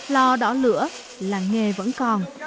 lo đỏ lửa làng nghề vẫn còn